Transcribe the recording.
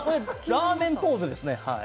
ラーメンポーズですね。